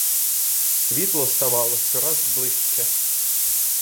Світло ставало щораз ближче.